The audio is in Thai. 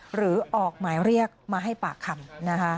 หรือออกหมายเรียกมาให้ปากคำนะคะ